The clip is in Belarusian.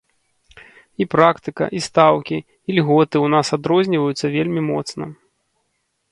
І практыка, і стаўкі, і льготы ў нас адрозніваюцца вельмі моцна.